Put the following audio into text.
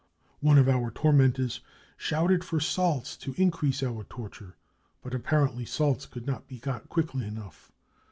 One of our tormen tors shouted for salts to increase our torture, but appar ently salts could not be got quickly enough.